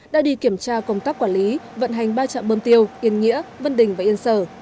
đã đi kiểm tra công tác quản lý vận hành ba trạm bơm tiêu yên nghĩa vân đình và yên sở